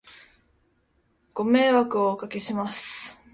ご迷惑をお掛けします